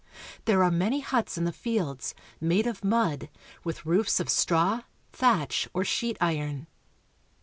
There are many huts in the fields, made of mud, with roofs of straw, thatch, or sheet iron.